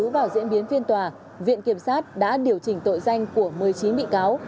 vào diễn biến phiên tòa viện kiểm sát đã điều chỉnh tội danh của một mươi chín bị cáo